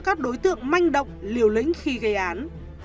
các đối tượng manh động liều lĩnh khi gây án